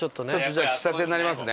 じゃあ喫茶店になりますね。